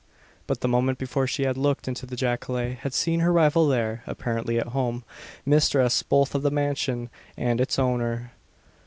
But the moment before she had looked into the jacale had seen her rival there, apparently at home; mistress both of the mansion and its owner.